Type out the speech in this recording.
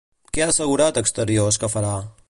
Què ha assegurat Exteriors que farà?